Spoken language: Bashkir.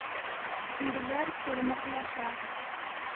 Ирҙәр көрмәкләшә.